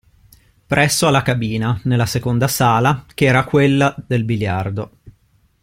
Presso alla cabina, nella seconda sala, ch'era quella del biliardo.